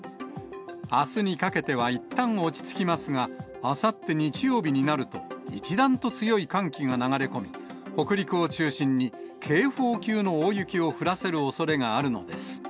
あすにかけてはいったん落ち着きますが、あさって日曜日になると、一段と強い寒気が流れ込み、北陸を中心に警報級の大雪を降らせるおそれがあるのです。